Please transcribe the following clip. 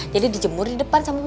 jadi dijemur di depan gue gak ada bau